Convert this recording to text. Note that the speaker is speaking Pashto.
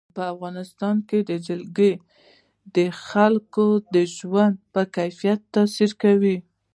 په افغانستان کې جلګه د خلکو د ژوند په کیفیت تاثیر کوي.